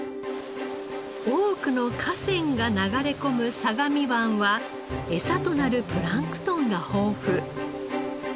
多くの河川が流れ込む相模湾はエサとなるプランクトンが豊富。